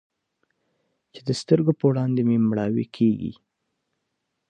چې د سترګو په وړاندې مې مړواې کيږي.